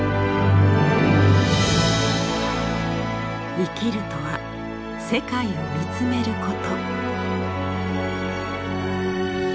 「生きるとは世界を見つめること」。